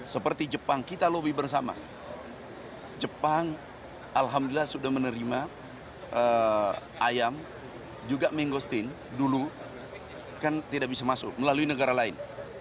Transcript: seperti jepang kita lobby bersama jepang alhamdulillah sudah menerima ayam juga menggostin dulu kan tidak bisa masuk melalui negara lain